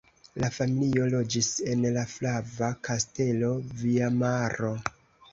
La familio loĝis en la Flava Kastelo (Vajmaro).